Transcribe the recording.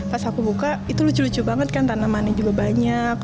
pas aku buka itu lucu lucu banget kan tanamannya juga banyak